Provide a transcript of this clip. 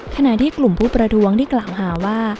ขณะที่กลุ่มผู้ประท้วงที่กล่าวหาว่า